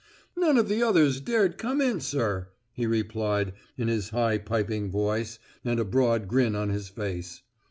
'None of the others dared come in, sir,' he replied, in his high piping voice, and a broad grin on his face.